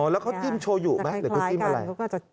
แล้วเขาจิ้มโชยุไหมหรือเขาจิ้มอะไร